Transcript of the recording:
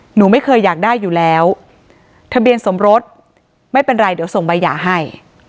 หนูไม่เคยอยากได้อยู่แล้วทะเบียนสมรสไม่เป็นไรเดี๋ยวส่งใบหย่าให้